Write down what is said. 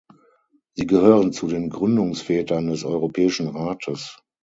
Sie gehören zu den Gründungsvätern des Europäischen Rates.